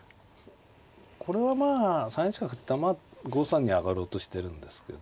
これはまあ３一角５三に上がろうとしてるんですけど。